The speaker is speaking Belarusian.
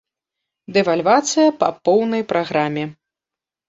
Дэвальвацыя па поўнай праграме.